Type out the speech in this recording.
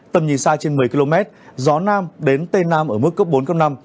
tầm nhìn xa trên một mươi km gió nam đến tây nam ở mức cấp bốn cấp năm